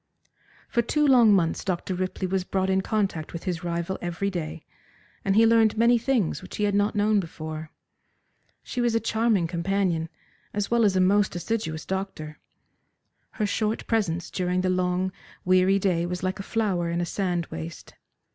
For two long months Dr. Ripley was brought in contact with his rival every day, and he learned many things which he had not known before. She was a charming companion, as well as a most assiduous doctor. Her short presence during the long, weary day was like a flower in a sand waste.